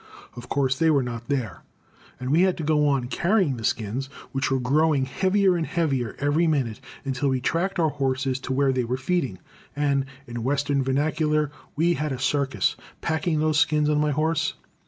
Of course they were not there, and we had to go on, carrying the skins, which were growing heavier and heavier every minute, until we tracked our horses to where they were feeding, and, in Western vernacular, "we had a circus" packing those skins on my horse.